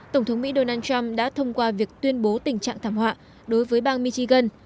tổng thống mỹ donald trump đã thông qua việc tuyên bố tình trạng thảm họa đối với bang michigan